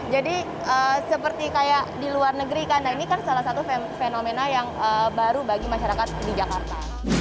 jadi seperti di luar negeri ini kan salah satu fenomena yang baru bagi masyarakat di jakarta